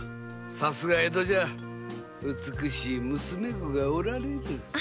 さすが江戸じゃ美しい娘御がおられる。